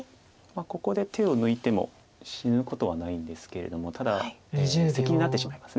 ここで手を抜いても死ぬことはないんですけれどもただセキになってしまいます。